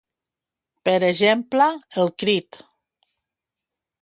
Per exemple, El Crit.